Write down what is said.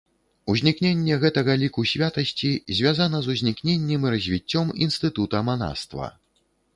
Узнікненне гэтага ліку святасці звязана з узнікненнем і развіццём інстытута манаства.